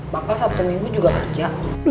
maka sabtu minggu juga kerja